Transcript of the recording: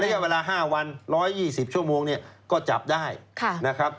ระยะเวลา๕วัน๑๒๐ชั่วโมงเนี่ยก็จับได้นะครับ